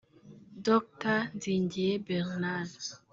Dr Nzigiye Bernard